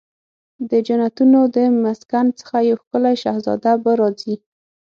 د جنتونو د مسکن څخه یو ښکلې شهزاده به راځي